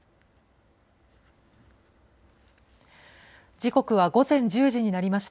時刻は午前１０時になりました。